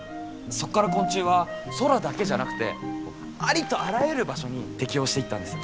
そこから昆虫は空だけじゃなくてありとあらゆる場所に適応していったんです。